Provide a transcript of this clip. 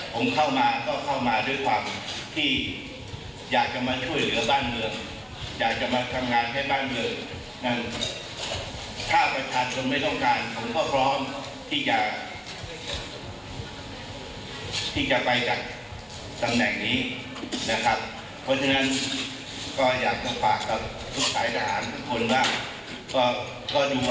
ก็ดูบอกนะคะว่าผมทำงานมาตลอดระยะเวลา๕๐ปีนั้นได้ทำงานมาอย่างไร